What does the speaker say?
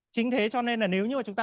chính thế cho nên là nếu như chúng ta